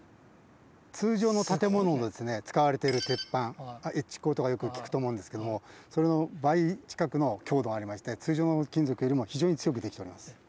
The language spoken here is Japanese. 通常の建物にですね使われてる鉄板Ｈ鋼とかよく聞くと思うんですけどもそれの倍近くの強度がありまして通常の金属よりも非常に強くできてます。